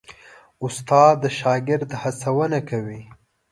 استاد د شاګرد هڅونه کوي.